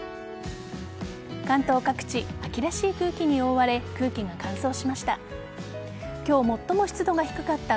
関東各地、秋らしい空気に覆われ空気が乾燥しました。